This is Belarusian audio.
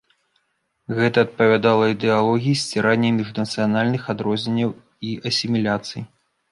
Гэта адпавядала ідэалогіі сцірання міжнацыянальных адрозненняў і асіміляцыі.